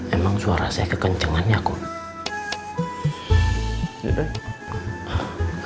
emang suara saya kekencengan ya kum